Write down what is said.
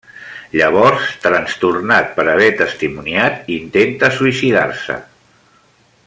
Llavors, trastornat per haver testimoniat, intenta suïcidar-se.